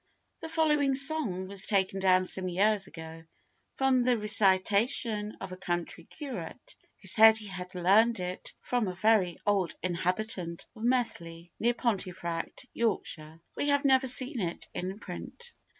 [THE following song was taken down some years ago from the recitation of a country curate, who said he had learned it from a very old inhabitant of Methley, near Pontefract, Yorkshire. We have never seen it in print.